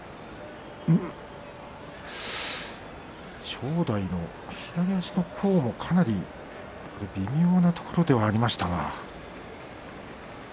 正代の左足の甲も早く微妙なところではありました。